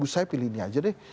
saya pilih ini aja deh